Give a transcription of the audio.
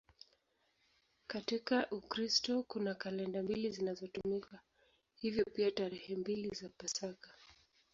Katika Ukristo kuna kalenda mbili zinazotumika, hivyo pia tarehe mbili za Pasaka.